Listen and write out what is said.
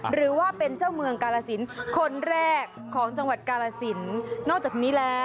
หรือว่าเป็นเจ้าเมืองกาลสินคนแรกของจังหวัดกาลสินนอกจากนี้แล้ว